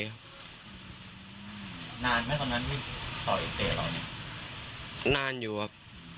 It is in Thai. พี่บาบนานอยู่ครับ